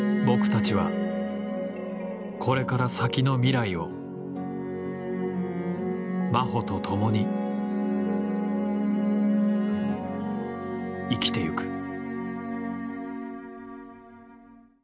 「僕たちはこれから先の未来を真帆と共に生きてゆく」